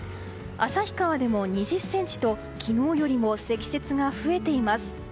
旭川でも２０ｃｍと昨日よりも積雪が増えています。